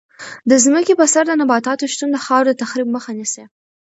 د ځمکې په سر د نباتاتو شتون د خاورې د تخریب مخه نیسي.